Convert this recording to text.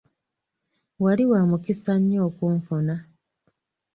Wali wa mukisa nnyo okunfuna.